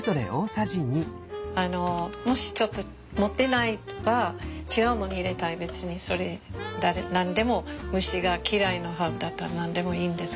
もしちょっと持ってなければ違うもの入れたい別にそれ何でも虫が嫌いなハーブだったら何でもいいんですけど。